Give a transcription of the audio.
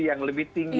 yang lebih tinggi